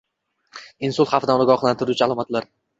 Insult xavfidan ogohlantiruvchi alomatlar